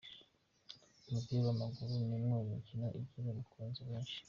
Umupira w’amaguru ni umwe mu mikino ugira abakunzi benshi.